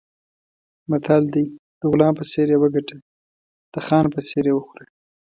متل دی: د غلام په څېر یې وګټه، د خان په څېر یې وخوره.